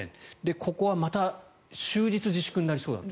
ここはまた終日自粛になりそうだと。